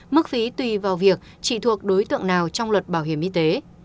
mức phí tùy vào việc chỉ thuộc đối tượng nào trong luật bảo hiểm y tế